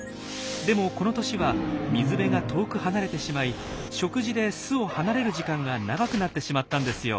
でもこの年は水辺が遠く離れてしまい食事で巣を離れる時間が長くなってしまったんですよ。